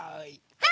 はい。